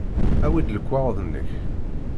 Awi-d lekwaɣeḍ-nnek.